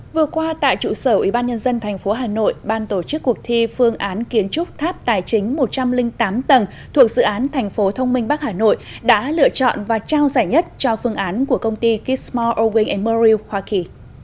vừa qua tại trụ sở ủy ban nhân dân thành phố hà nội ban tổ chức cuộc thi phương án kiến trúc tháp tài chính một trăm linh tám tầng thuộc dự án thành phố thông minh bắc hà nội đã lựa chọn và trao giải nhất cho phương án của công ty kismore irwin murray hoa kỳ